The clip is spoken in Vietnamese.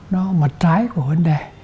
nó mặt trái của vấn đề